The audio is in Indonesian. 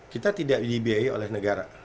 kita tidak dibiayai oleh negara